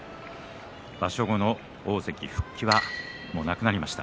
場所後の大関復帰はもうなくなりました。